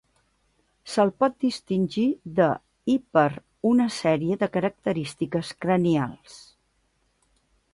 Se'l pot distingir de i per una sèrie de característiques cranials.